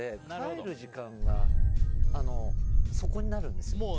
帰る時間がそこになるんです。